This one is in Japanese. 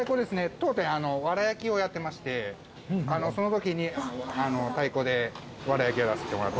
当店藁焼きをやってましてその時に太鼓で藁焼きをやらせてもらってます。